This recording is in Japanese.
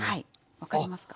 分かりますか？